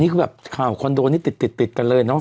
ค่ะค้าของคอนโดนี่ติดกันเลยเนอะ